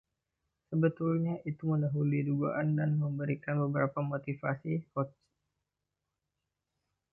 Sebetulnya, itu mendahului dugaan dan memberikan beberapa motivasi Hodge.